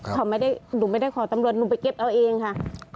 เขาไม่ได้หนูไม่ได้ขอตำรวจหนูไปเก็บเอาเองค่ะ